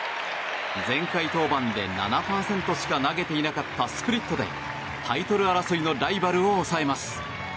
前回登板で７％しか投げていなかったスプリットでタイトル争いのライバルを抑えます。